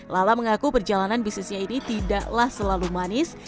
lala mengaku perjalanan bisnisnya ini tidak terlalu berhasil